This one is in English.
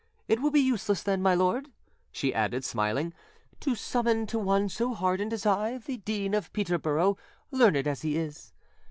It will be useless, then, my lord," she added, smiling, "to summon to one so hardened as I the Dean of Peterborough, learned as he is.